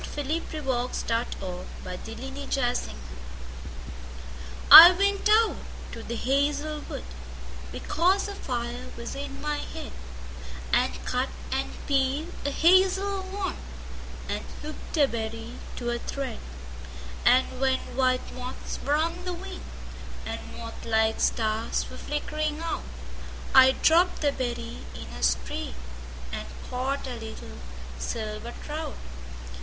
1899. 9. The Song of Wandering Aengus I WENT out to the hazel wood, Because a fire was in my head, And cut and peeled a hazel wand, And hooked a berry to a thread; And when white moths were on the wing, And moth like stars were flickering out,I dropped the berry in a streamAnd caught a little silver trout.